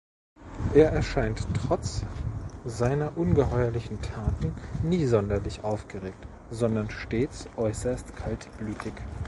Er erscheint trotz seiner ungeheuerlichen Taten nie sonderlich aufgeregt, sondern stets äußerst kaltblütig.